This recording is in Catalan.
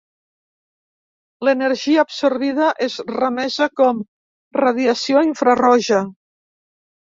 L'energia absorbida és remesa com radiació infraroja.